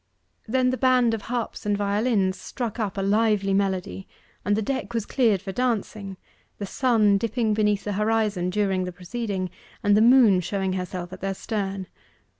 Then the band of harps and violins struck up a lively melody, and the deck was cleared for dancing; the sun dipping beneath the horizon during the proceeding, and the moon showing herself at their stern.